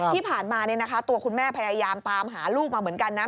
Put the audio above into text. ที่ผ่านมาตัวคุณแม่พยายามตามหาลูกมาเหมือนกันนะ